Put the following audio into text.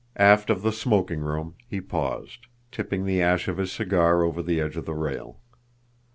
Aft of the smoking room he paused, tipping the ash of his cigar over the edge of the rail.